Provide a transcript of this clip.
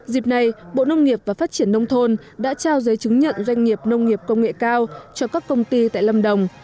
dịp này bộ nông nghiệp và phát triển nông thôn đã trao giấy chứng nhận doanh nghiệp nông nghiệp công nghệ cao cho các công ty tại lâm đồng